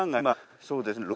そうですよね。